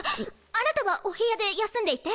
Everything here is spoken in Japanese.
あなたはお部屋で休んでいて。